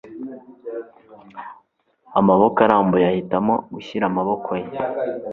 amaboko arambuye, ahitamo gushyira amaboko ye